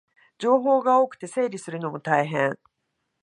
情報が多くて整理するのも大変